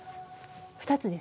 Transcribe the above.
２つですね。